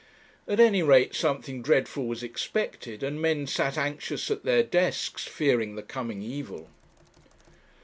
At any rate something dreadful was expected; and men sat anxious at their desks, fearing the coming evil.